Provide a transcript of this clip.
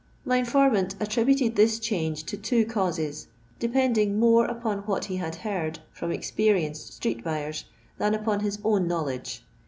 My formant attributed this change to two causes, depending more upon what he had heard from experienced street buyers than upon his own knowledge.